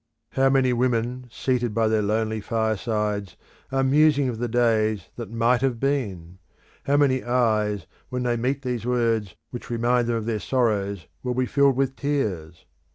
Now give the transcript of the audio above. How many women seated by their lonely firesides are musing of the days that might have been! How many eyes when they meet these words which remind them of their sorrows will be filled with tears!